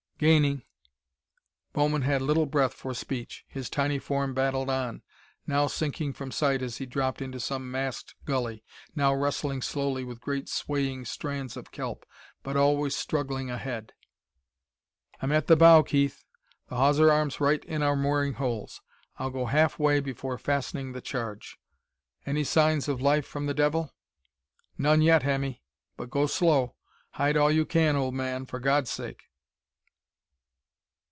Gaining...." Bowman had little breath for speech. His tiny form battled on, now sinking from sight as he dropped into some masked gully, now wrestling slowly with great swaying strands of kelp, but always struggling ahead. "I'm at the bow, Keith! The hawser arm's right in our mooring holes. I'll go halfway before fastening the charge. Any signs of life from the devil?" "None yet, Hemmy. But go slow. Hide all you can, old man, for God's sake!..."